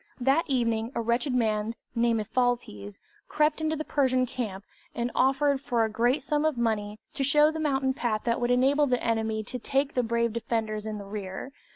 That evening a wretched man, named Ephialtes, crept into the Persian camp, and offered, for a great sum of money, to show the mountain path that would enable the enemy to take the brave defenders in the rear!